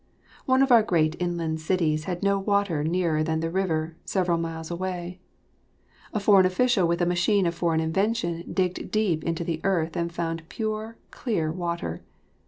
One of our great inland cities had no water nearer than the river, several miles away. A foreign official with a machine of foreign invention digged deep into the earth and found pure, clear water.